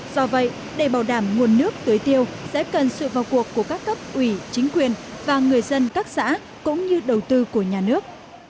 do vậy để bảo đảm nguồn nước tưới tiêu sẽ cần sự vào cuộc của các cấp ủy chính quyền và người dân các xã cũng như đầu tư của nhà nước